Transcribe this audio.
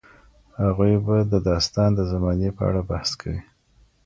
هغوی به د داستان د زمانې په اړه بحث کوي.